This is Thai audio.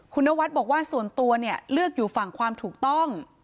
คุณนวัดบอกว่าส่วนตัวเนี่ยเลือกอยู่ฝั่งความถูกต้อง